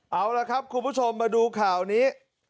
เอาละครับคุณผู้ชมมาดูข่าวนี้